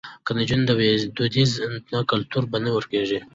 که نجونې دودیزې وي نو کلتور به نه ورکيږي.